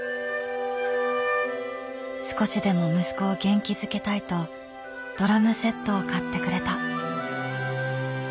少しでも息子を元気づけたいとドラムセットを買ってくれた。